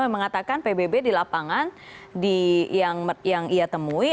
yang mengatakan pbb di lapangan yang ia temui